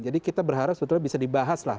kita berharap sebetulnya bisa dibahas lah